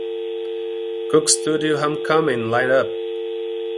Coke Studio Homecoming line up.